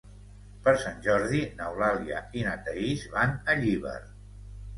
Per Sant Jordi n'Eulàlia i na Thaís van a Llíber.